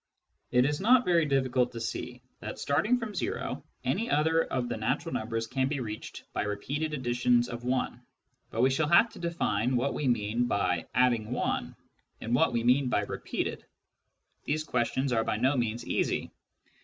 It is not very difficult to see that, starting from o, any other of the natural numbers can be reached by repeated additions of 1, but we shall have to define what we mean by " adding I," and what we mean by " repeated." These questions are by no means easy.